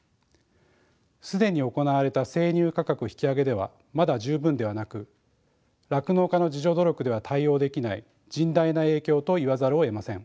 既に行われた生乳価格引き上げではまだ十分ではなく酪農家の自助努力では対応できない甚大な影響と言わざるをえません。